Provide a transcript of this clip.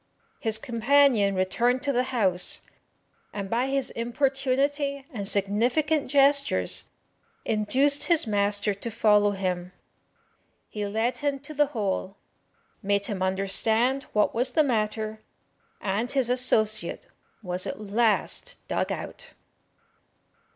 His companion returned to the house, and by his importunity and significant gestures induced his master to follow him. He led him to the hole, made him understand what was the matter, and his associate was at last dug out.